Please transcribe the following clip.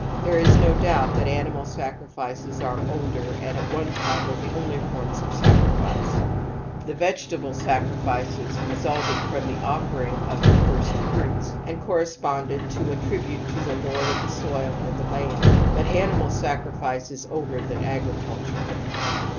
There is no doubt that animal sacrifices are older and at one time were the only forms of sacrifice. The vegetable sacrifices re sulted from the offering of the first fruits and correspond to a tribute to the lord of the soil and the land, ffjit animt^l mrrifi^^ ]i« nirl er than agriculture.